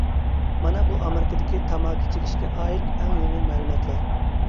مانا بۇ ئامېرىكىدىكى تاماكا چېكىشكە ئائىت ئەڭ يېڭى مەلۇماتلار.